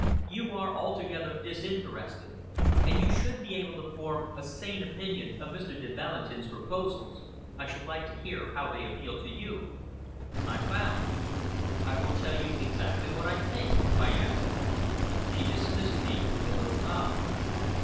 You are altogether disinterested, and you should be able to form a sane opinion of Mr. de Valentin's proposals. I should like to hear how they appeal to you." I bowed. "I will tell you exactly what I think," I answered. She dismissed me with a little nod.